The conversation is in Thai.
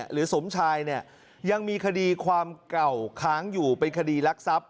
สมชายเนี่ยยังมีคดีความเก่าค้างอยู่เป็นคดีรักทรัพย์